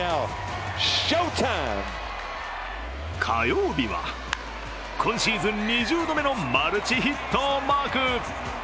火曜日は今シーズン２０度目のマルチヒットをマーク。